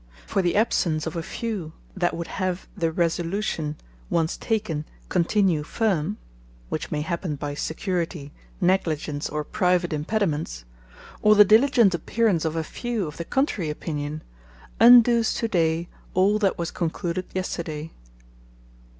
For the absence of a few, that would have the Resolution once taken, continue firme, (which may happen by security, negligence, or private impediments,) or the diligent appearance of a few of the contrary opinion, undoes to day, all that was concluded yesterday.